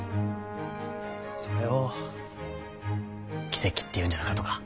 それを奇跡って言うんじゃなかとか。